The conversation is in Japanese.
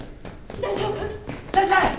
大丈夫！？